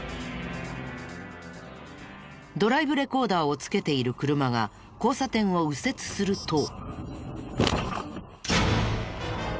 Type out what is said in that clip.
ドライブレコーダーをつけている車が交差点を右折すると。